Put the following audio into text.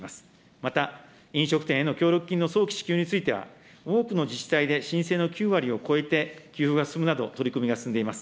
また、飲食店への協力金の早期支給については、多くの自治体で申請の９割を超えて給付が進むなど、取り組みが進んでいます。